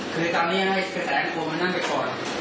คือตอนนี้ให้แสงของผมมานั่งไปก่อน